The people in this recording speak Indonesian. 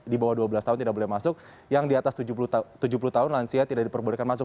di bawah dua belas tahun tidak boleh masuk yang di atas tujuh puluh tahun lansia tidak diperbolehkan masuk